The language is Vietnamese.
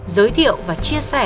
giới thiệu và chia sẻ